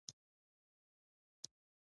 لکه ګڼي ښکلي وریځي د اسمان پر مخ ورکیږي